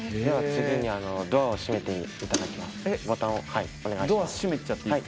次にドアを閉めていただきます。